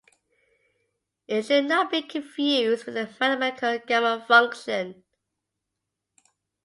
It should not be confused with the mathematical Gamma function.